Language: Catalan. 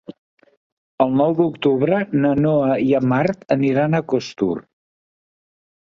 El nou d'octubre na Noa i en Marc aniran a Costur.